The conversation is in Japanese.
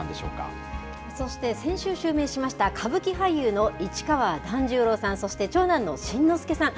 そして先週襲名しました、歌舞伎俳優の市川團十郎さん、そして長男の新之助さん。